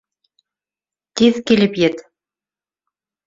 Тиҙ килеп ет!